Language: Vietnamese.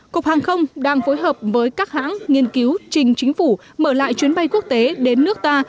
cục hàng không đang phối hợp với các hãng nghiên cứu trình chính phủ mở lại chuyến bay quốc tế đến nước ta